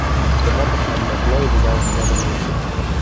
Demà passat na Cloè anirà a visitar mon oncle.